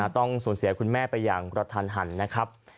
ต้องสูญเสียคุณแม่ไปอย่างกระทันหันนะครับ